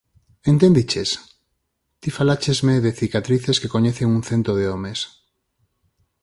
Entendiches? Ti faláchesme de cicatrices que coñecen un cento de homes.